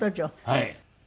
はい。